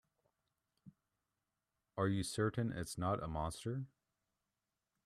Are you certain it's not a monster?